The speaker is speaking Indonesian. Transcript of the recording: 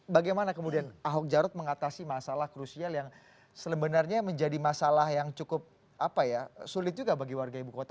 bagaimana kemudian ahok jarot mengatasi masalah krusial yang sebenarnya menjadi masalah yang cukup sulit juga bagi warga ibu kota